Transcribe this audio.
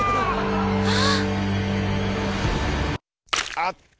あっ。